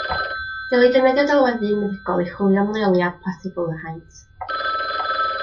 Dylid defnyddio delweddu meddygol i chwilio am leoliad posibl yr haint.